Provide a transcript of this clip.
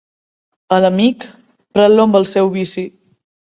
A l'amic, pren-lo amb el seu vici.